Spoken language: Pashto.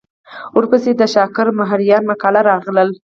ورپسې د شاکر مهریار مقاله راغله.